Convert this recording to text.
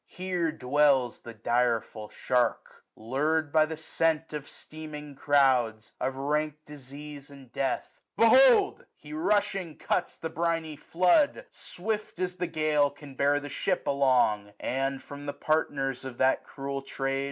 Here dwells the direful shark. LurM by the scent 1015 Of steaming crouds, of rank disease, and death ; $S SUMMER* Behold ! he rushing cuts the briny floods Swift as the gale can bear the ship along ; And, from the partners of that cruel trade.